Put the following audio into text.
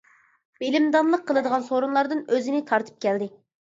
بىلىمدانلىق قىلىدىغان سورۇنلاردىن ئۆزىنى تارتىپ كەلدى.